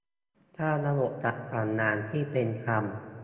สร้างระบบจัดสรรน้ำที่เป็นธรรม